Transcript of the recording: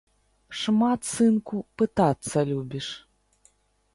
Шмат, сынку, пытацца любіш.